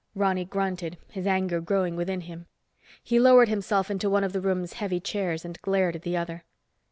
Ronny grunted, his anger growing within him. He lowered himself into one of the room's heavy chairs, and glared at the other.